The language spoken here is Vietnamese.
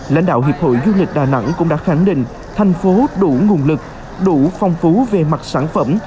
lãnh đạo hiệp hội du lịch đà nẵng cũng đã khẳng định thành phố đủ nguồn lực đủ phong phú về mặt sản phẩm